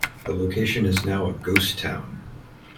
The location is now a ghost town.